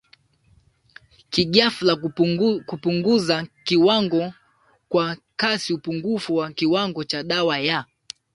kighafla kupunguza kiwango kwa kasi upungufu wa kiwango cha dawa ya